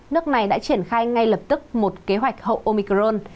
nước này đã triển khai ngay lập tức một kế hoạch hậu omicron